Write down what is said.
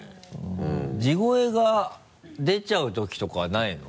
地声が出ちゃうときとかないの？